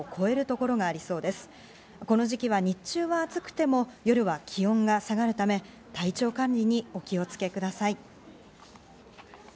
この時期は日中は暑くても夜は気温が下がるため、体調管理にお気をつけください。